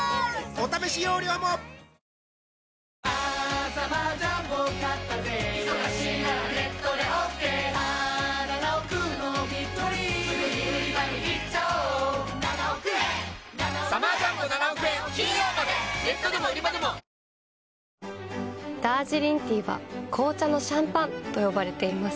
お試し容量もダージリンティーは紅茶のシャンパンと呼ばれています。